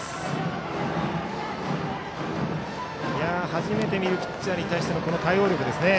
初めて見るピッチャーに対してのこの対応力ですね。